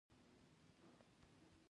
کوچیان باید اسکان شي